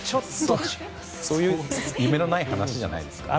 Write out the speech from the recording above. そういう夢のない話じゃないですね。